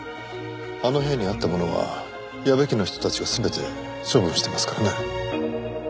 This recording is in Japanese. あの部屋にあったものは矢部家の人たちが全て処分してますからね。